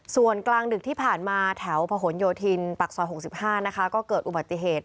ส่วนกลางดึกที่ผ่านมาแถวพะหนโยธินปากซอย๖๕นะคะก็เกิดอุบัติเหตุ